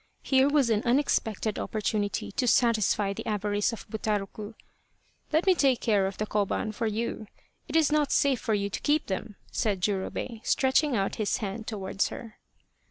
Here was an unexpected opportunity to satisfy the avarice of Butaroku. :' Let me take care of the koban for you. It is not safe for you to keep them," said Jurobei, stretching out his hand towards her.